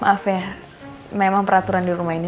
maaf ya memang peraturan di rumah ini